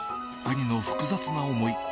兄の複雑な思い。